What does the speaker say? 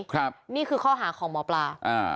ครับนี่คือข้อหาของหมอปลาอ่า